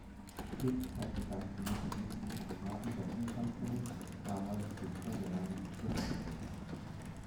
Die Tätigkeit begann zunächst mittels missionarischer Buchhandlungen, damals „Depot der Heiligen Schriften“ genannt.